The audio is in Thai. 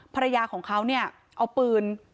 ภรรยาของเขาเนี่ยเอาปืน